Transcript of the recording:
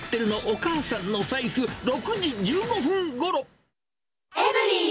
お母さんの財布、６時１５分ごろ。